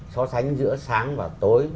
so sánh giữa sáng và tối